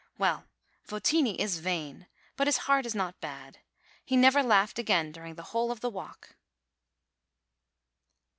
Well, Votini is vain; but his heart is not bad. He never laughed again during the whole of the walk.